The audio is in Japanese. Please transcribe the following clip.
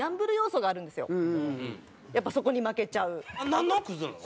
なんのクズなの？